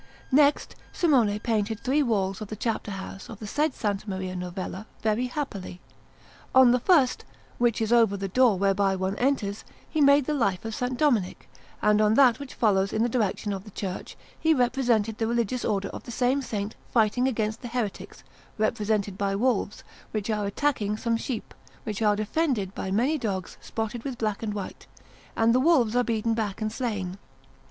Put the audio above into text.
Next, Simone painted three walls of the Chapter house of the said S. Maria Novella, very happily. On the first, which is over the door whereby one enters, he made the life of S. Dominic; and on that which follows in the direction of the church, he represented the Religious Order of the same Saint fighting against the heretics, represented by wolves, which are attacking some sheep, which are defended by many dogs spotted with black and white, and the wolves are beaten back and slain.